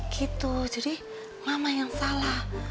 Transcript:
gitu jadi mama yang salah